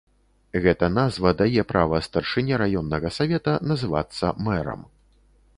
Гэта назва дае права старшыне раённага савета называцца мэрам.